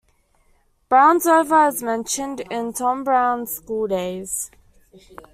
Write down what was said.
Brownsover is mentioned in Tom Brown's Schooldays.